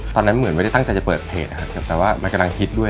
ตอนนั้นเหมือนไม่ได้ตั้งใจจะเปิดเพจแต่ว่ามันกำลังฮิตด้วย